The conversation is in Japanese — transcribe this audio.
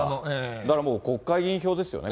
だからもう国会議員票ですよね。